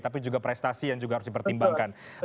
tapi juga prestasi yang juga harus dipertimbangkan